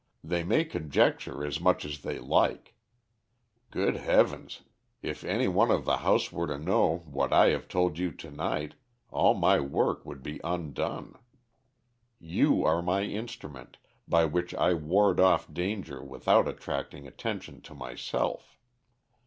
They may conjecture as much as they like. Good heavens, if any one in the house were to know what I have told you to night, all my work would be undone. You are my instrument, by which I ward off danger without attracting attention to myself.